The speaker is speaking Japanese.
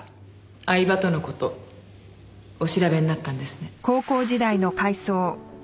饗庭との事お調べになったんですね。